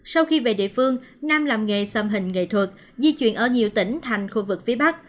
sau khi về địa phương nam làm nghề xăm hình nghệ thuật di chuyển ở nhiều tỉnh thành khu vực phía bắc